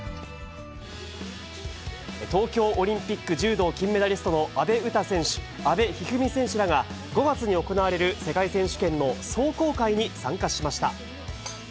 東京オリンピック柔道金メダリストの阿部詩選手、阿部一二三選手らが、５月に行われる世界選手権の壮行会に参加しました。